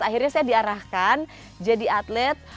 akhirnya saya diarahkan jadi atlet